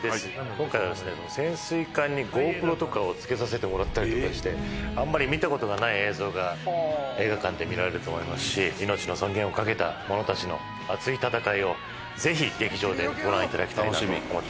今回はですね、潜水艦にＧｏＰｒｏとかを付けさせてもらったりとかしてあんまり見た事がない映像が映画館で見られると思いますし命の尊厳を懸けた者たちの熱い戦いをぜひ劇場でご覧いただきたいなと思っております。